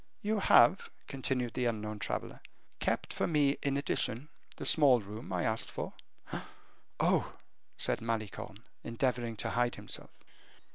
"You have," continued the unknown traveler, "kept for me in addition, the small room I asked for?" "Oh!" said Malicorne, endeavoring to hide himself.